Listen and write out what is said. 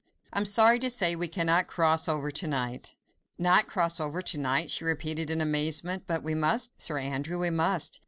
I am sorry to say we cannot cross over to night." "Not cross over to night?" she repeated in amazement. "But we must, Sir Andrew, we must!